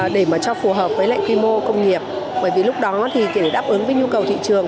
để mà cho phù hợp với lại quy mô công nghiệp bởi vì lúc đó thì để đáp ứng với nhu cầu thị trường